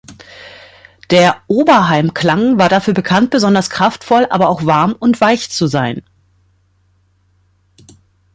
Der Oberheim-Klang war dafür bekannt, besonders kraftvoll, aber auch warm und weich zu sein.